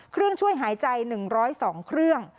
เครื่องช่วยหายใจ๑๐๒เครื่อง